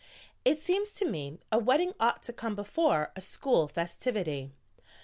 "It seems to me a wedding ought to come before a school festivity."